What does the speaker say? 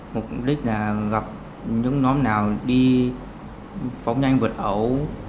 mục đích là gặp những nhóm nào đi phóng nhanh vượt ẩu